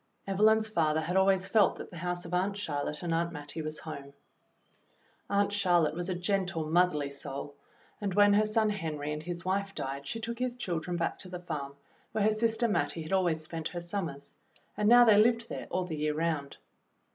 Evelyn's father had always felt that the house of Aunt Charlotte and Aunt Mattie was home. Aunt Charlotte was a gentle, motherly soul, and when her son Henry and his wife died she took his children back to the farm where her sister Mattie had always spent her summers, and now they lived there all the year round.